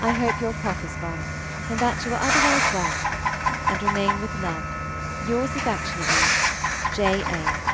I hope your cough is gone, and that you are otherwise well, and remain, with love, Yours affectionately, J. A.